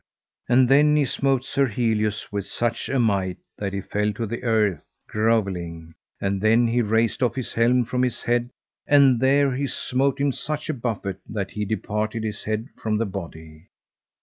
And then he smote Sir Helius with such a might that he fell to the earth grovelling; and then he raced off his helm from his head, and there he smote him such a buffet that he departed his head from the body.